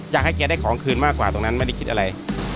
อยากให้แกได้ของคืนมากกว่าตรงนั้นไม่ได้คิดอะไร